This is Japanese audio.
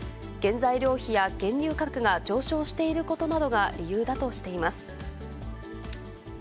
原材料費や原油価格が上昇していることなどが理由だとしています。